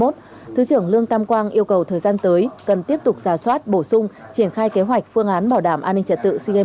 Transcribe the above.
thứ trưởng lương tam quang yêu cầu thời gian tới cần tiếp tục giả soát bổ sung triển khai kế hoạch phương án bảo đảm an ninh trật tự sigen ba mươi một